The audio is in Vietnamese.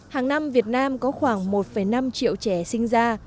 hàng năm việt nam có khoảng một năm triệu trẻ sinh ra